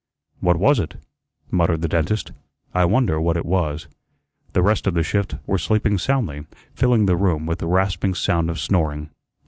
"What was it?" muttered the dentist. "I wonder what it was." The rest of the shift were sleeping soundly, filling the room with the rasping sound of snoring.